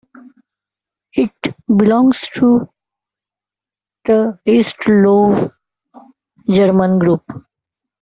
It belongs to the East Low German group.